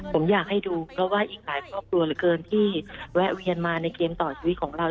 ผมอยากให้ดูเพราะว่าอีกหลายครอบครัวเหลือเกินที่แวะเวียนมาในเกมต่อชีวิตของเรา